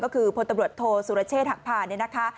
ก็คือพตโทสุรเชษฐ์หักผ่านเนี่ยนะคะ